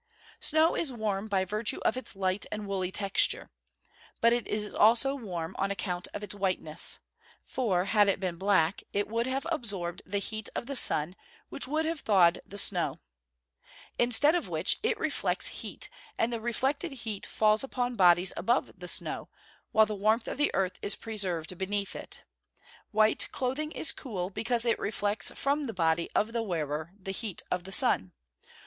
_ Snow is warm by virtue of its light and woolly texture. But it is also warm on account of its whiteness; for, had it been black, it would have absorbed the heat of the sun, which would have thawed the snow. Instead of which, it reflects heat; and the reflected heat falls upon bodies above the snow, while the warmth of the earth is preserved beneath it. White clothing is cool, because it reflects from the body of the wearer the heat of the sun.